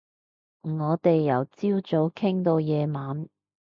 我哋由朝早傾到夜晚